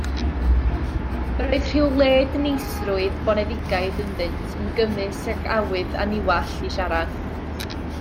Yr oedd rhyw ledneisrwydd boneddigaidd ynddynt yn gymysg ag awydd anniwall i siarad.